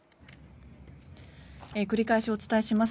繰り返しお伝えします。